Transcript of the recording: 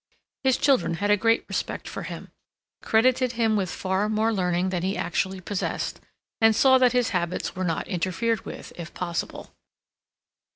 His children had a great respect for him, credited him with far more learning than he actually possessed, and saw that his habits were not interfered with, if possible.